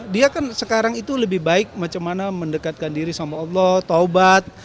dia kan sekarang itu lebih baik macam mana mendekatkan diri sama allah taubat